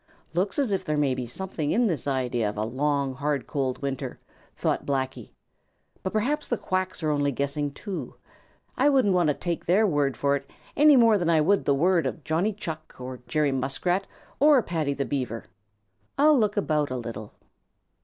"Looks as if there may be something in this idea of a long, hard, cold winter," thought Blacky, "but perhaps the Quacks are only guessing, too. I wouldn't take their word for it any more than I would the word of Johnny Chuck or Jerry Muskrat or Paddy the Beaver. I'll look about a little."